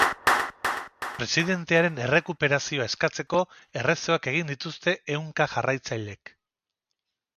Presidentearen errekuperazioa eskatzeko errezoak egin dituzte ehunka jarraitzailek.